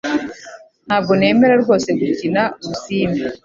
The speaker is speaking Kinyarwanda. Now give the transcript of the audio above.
Ntabwo nemera rwose gukina urusimbi